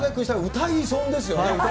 歌い損ですよ。